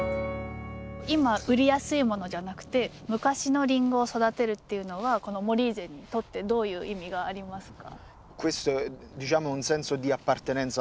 今売りやすいものじゃなくて昔のりんごを育てるっていうのはこのモリーゼにとってどういう意味がありますか？